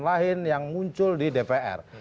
lain yang muncul di dpr